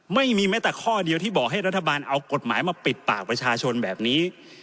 ไม่มีแม้แต่ข้อเดียวที่บอกให้รัฐบาลเอากฎหมายมาปิดปากประชาชนแบบนี้